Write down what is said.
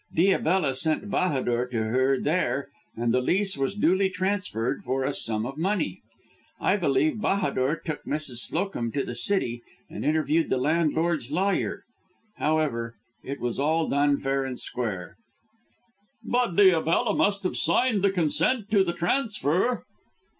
Diabella sent Bahadur to her there and the lease was duly transferred for a sum of money. I believe Bahadur took Mrs. Slowcomb to the City and interviewed the landlord's lawyer. However, it was all done fair and square." "But Diabella must have signed the consent to the transfer?"